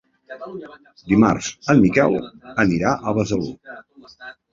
Dimarts en Miquel irà a Besalú.